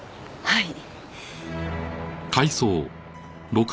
はい。